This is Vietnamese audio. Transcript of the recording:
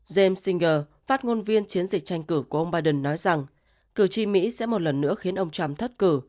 james synger phát ngôn viên chiến dịch tranh cử của ông biden nói rằng cử tri mỹ sẽ một lần nữa khiến ông trump thất cử